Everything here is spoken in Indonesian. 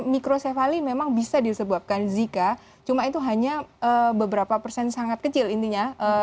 mikrosefali memang bisa disebabkan zika cuma itu hanya beberapa persen sangat kecil intinya